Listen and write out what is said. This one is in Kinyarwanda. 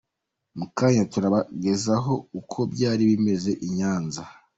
Mu kanya turabagezaho uko byari bimeze i Nyanza.